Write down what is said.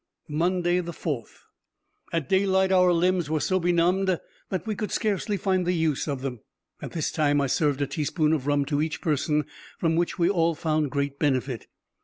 Monday, 4th.—At daylight our limbs were so benumbed, that we could scarcely find the use of them. At this time I served a teaspoonful of rum to each person, from which we all found great benefit.